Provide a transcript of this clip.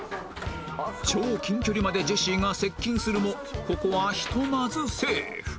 超近距離までジェシーが接近するもここはひとまずセーフ！